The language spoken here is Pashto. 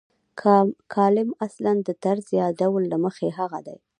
کالم اصلاً د طرز یا ډول له مخې هغه دی.